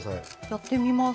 やってみます。